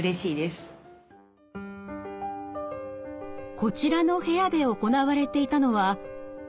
こちらの部屋で行われていたのは。